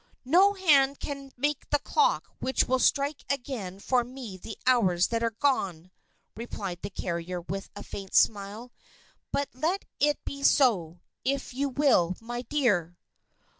"No hand can make the clock which will strike again for me the hours that are gone," replied the carrier, with a faint smile. "But let it be so, if you will, my dear."